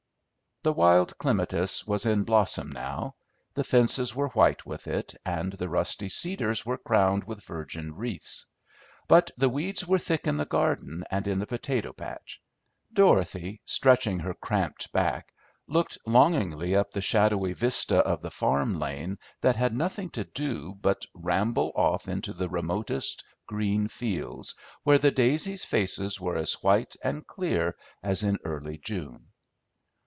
The wild clematis was in blossom now; the fences were white with it, and the rusty cedars were crowned with virgin wreaths; but the weeds were thick in the garden and in the potato patch. Dorothy, stretching her cramped back, looked longingly up the shadowy vista of the farm lane that had nothing to do but ramble off into the remotest green fields, where the daisies' faces were as white and clear as in early June.